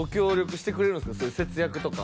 そういう節約とか。